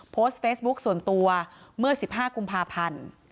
โพสต์เฟซบุ๊คส่วนตัวเมื่อ๑๕กุมภาพันธ์